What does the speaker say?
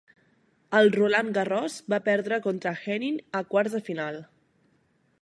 Al Roland Garros va perdre contra Henin a quarts de final.